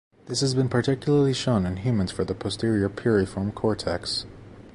This has been particularly shown in humans for the posterior piriform cortex.